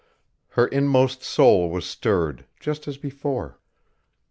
Her inmost soul was stirred, just as before.